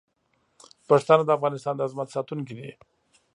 پښتانه د افغانستان د عظمت ساتونکي دي.